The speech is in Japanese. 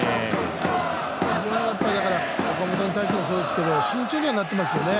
非常に、岡本に対してもそうですけど慎重にはなってますよね。